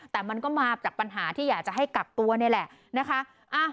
แต่มันก็มาจากปัญหาที่อยากจะให้กักตัวนี่แหละนะคะ